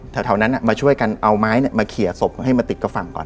แถวแถวนั้นอ่ะมาช่วยกันเอาไม้เนี้ยมาเขียกศพให้มาติดกระฟังก่อน